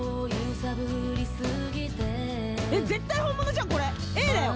絶対本物じゃんこれＡだよ